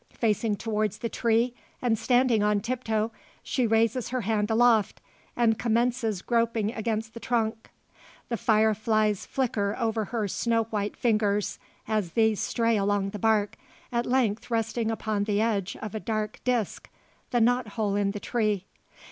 Facing towards the tree, and standing on tiptoe, she raises her hand aloft, and commences groping against the trunk. The fire flies flicker over her snow white fingers, as these stray along the bark, at length resting upon the edge of a dark disc the knot hole in the tree.